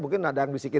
mungkin ada yang bisikin